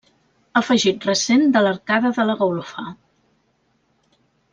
Afegit recent de l'arcada de la golfa.